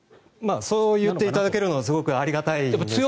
そう言っていただけるのはすごくありがたいんですけど。